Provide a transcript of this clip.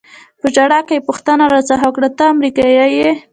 په ژړا کې یې پوښتنه را څخه وکړه: ته امریکایي یې؟